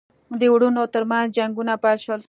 د وروڼو ترمنځ جنګونه پیل شول.